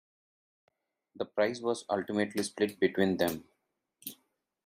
The prize was ultimately split between them.